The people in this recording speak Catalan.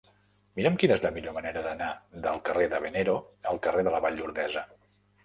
Mira'm quina és la millor manera d'anar del carrer de Venero al carrer de la Vall d'Ordesa.